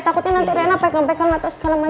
takutnya nanti raina pekang pekang atau segala macam